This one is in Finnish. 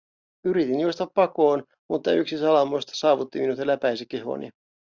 Yritin juosta pakoon, mutta yksi salamoista saavutti minut ja läpäisi kehoni.